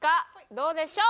どうでしょう？